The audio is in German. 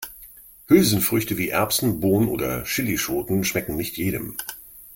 Hülsenfrüchte wie Erbsen, Bohnen oder Chillischoten schmecken nicht jedem.